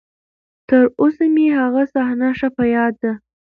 تر اوسه مې هغه صحنه ښه په ياد ده.